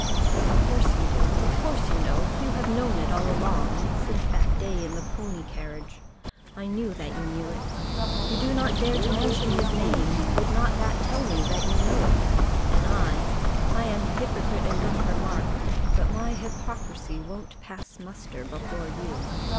"Of course you do; of course you know; you have known it all along: since that day in the pony carriage. I knew that you knew it. You do not dare to mention his name: would not that tell me that you know it? And I, I am hypocrite enough for Mark; but my hypocrisy won't pass muster before you.